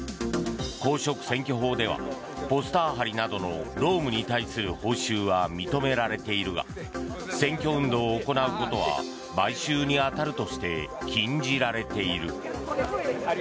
公職選挙法ではポスター貼りなどの労務に対する報酬は認められているが選挙運動を行うことは買収に当たるとして禁じられている。